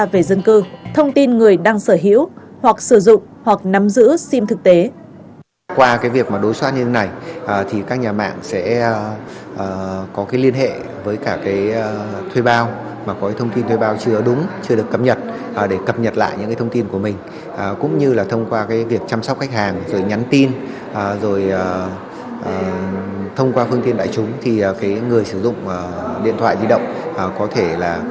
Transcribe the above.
về dân cư thông tin người đang sở hữu hoặc sử dụng hoặc nắm giữ sim thực tế